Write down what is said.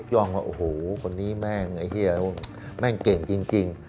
เขายกย่องว่าโอ้โหคนนี้แม่งไอ้เฮียแม่งเก่งจริงจริง